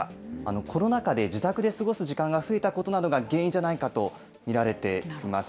コロナ禍で自宅で過ごす時間が増えたことなどが原因じゃないかと見られています。